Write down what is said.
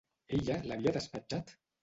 Ella l"havia despatxat!